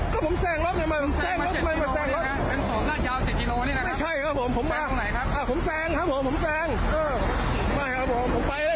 คุณเขียนมายาบไว้เพื่อนฉันเขียนมาเลย